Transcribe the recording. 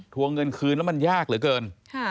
วงเงินคืนแล้วมันยากเหลือเกิน